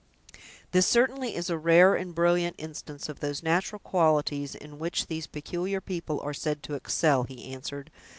"This certainly is a rare and brilliant instance of those natural qualities in which these peculiar people are said to excel," he answered.